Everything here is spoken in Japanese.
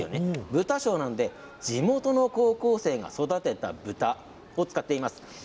豚醤なんで地元の高校生が育てた豚を使っています。